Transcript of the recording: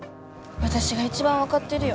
私が一番分かってるよ